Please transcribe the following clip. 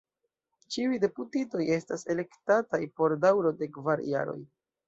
Ĉiuj deputitoj estas elektataj por daŭro de kvar jaroj.